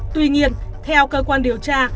tuy nhiên theo cơ quan điều tra